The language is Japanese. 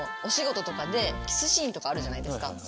お仕事とかでキスシーンあるじゃないですか。